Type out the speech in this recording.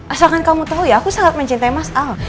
asalkan kamu tahu ya aku sangat mencintai mas al